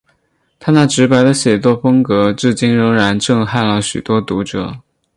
他那直白的写作风格至今仍然震撼了很多读者。